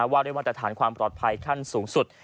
ว่าเรื่องประถานความปลอดภัยขั้นสูงสุด